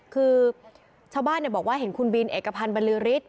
คือชาวบ้านบอกว่าเห็นคุณบินเอกพันธ์บรรลือฤทธิ